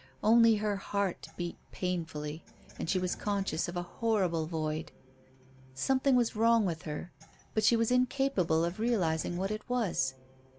Only her heart beat painfully, and she was conscious of a horrible void. Something was wrong with her, but she was incapable of realizing what it was.